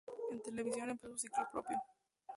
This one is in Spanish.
En televisión empezó su ciclo propio.